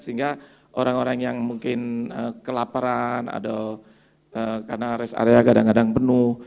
sehingga orang orang yang mungkin kelaparan karena rest area kadang kadang penuh